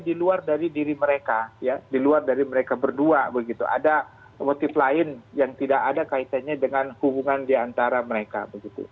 di luar dari diri mereka ya di luar dari mereka berdua begitu ada motif lain yang tidak ada kaitannya dengan hubungan diantara mereka begitu